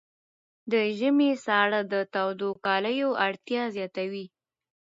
د ژمي ساړه د تودو کالیو اړتیا زیاتوي.